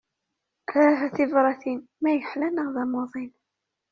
Aah, a tibratin, ma yeḥla neɣ d amuḍin?